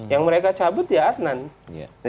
yang mereka cabut ya adnan